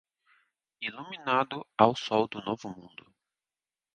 Iluminado ao sol do Novo Mundo